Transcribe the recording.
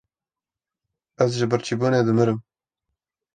Ez ji birçîbûnê dimirim!